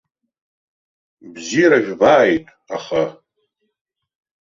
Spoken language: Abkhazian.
Бзиара жәбааит, аха?